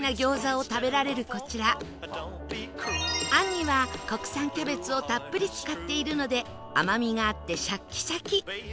餡には国産キャベツをたっぷり使っているので甘みがあってシャッキシャキ